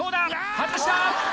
外した！